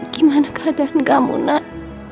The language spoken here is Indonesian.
gimana keadaan kamu nak